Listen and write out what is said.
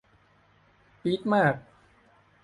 ปี๊ดมาก